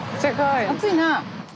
暑いなあ。